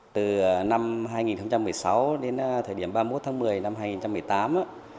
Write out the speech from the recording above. từ năm hai nghìn một mươi sáu đến thời điểm ba mươi một tháng một mươi năm hai nghìn một mươi tám